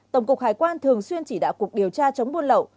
tổng cục hải quan thường xuyên chỉ đạo cục điều tra chống buôn lậu